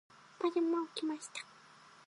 パジャマを着ました。